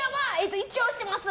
一応しています。